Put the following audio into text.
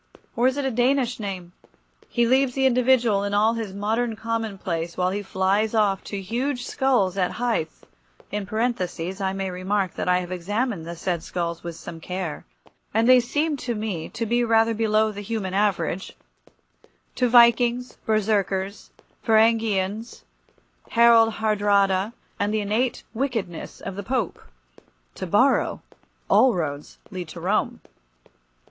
Or is it a Danish name? He leaves the individual in all his modern commonplace while he flies off to huge skulls at Hythe (in parenthesis I may remark that I have examined the said skulls with some care, and they seemed to me to be rather below the human average), to Vikings, Berserkers, Varangians, Harald Haardraada, and the innate wickedness of the Pope. To Borrow all roads lead to Rome.